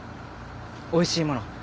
おいしいもの